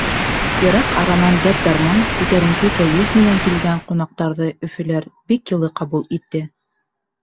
Йыраҡ аранан дәрт-дарман, күтәренке кәйеф менән килгән ҡунаҡтарҙы өфөләр бик йылы ҡабул итте.